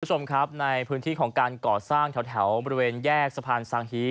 คุณผู้ชมครับในพื้นที่ของการก่อสร้างแถวบริเวณแยกสะพานสังฮี